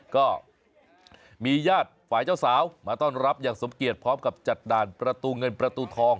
ก็มีญาติฝ่ายเจ้าสาวมาต้อนรับอย่างสมเกียจพร้อมกับจัดด่านประตูเงินประตูทอง